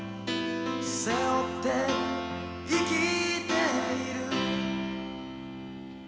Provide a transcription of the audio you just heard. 「背負って生きている」